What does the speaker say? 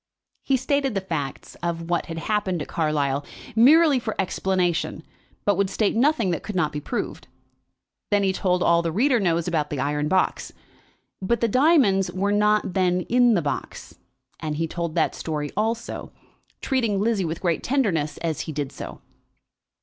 He stated the facts of what had happened at Carlisle, merely for explanation, but would state nothing that could not be proved. Then he told all that the reader knows about the iron box. But the diamonds were not then in the box, and he told that story also, treating Lizzie with great tenderness as he did so.